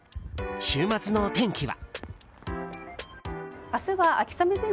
週末の天気は？